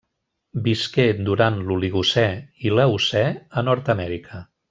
Visqué durant l'Oligocè i l'Eocè a Nord-amèrica.